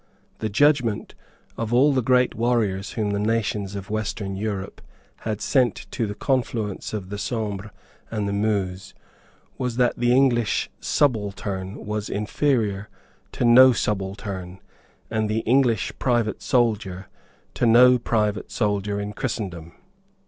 The judgment of all the great warriors whom all the nations of Western Europe had sent to the confluence of the Sambre and the Meuse was that the English subaltern was inferior to no subaltern and the English private soldier to no private soldier in Christendom.